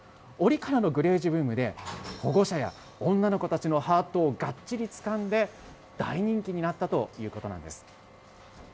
折からのグレージュブームで、保護者や女の子たちのハートをがっちりつかんで、大人気になったということなんです。